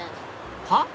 はっ？